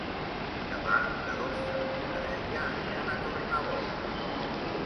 Demà na Dolça i na Dèlia aniran a Tornabous.